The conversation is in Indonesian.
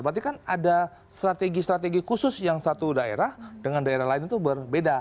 berarti kan ada strategi strategi khusus yang satu daerah dengan daerah lain itu berbeda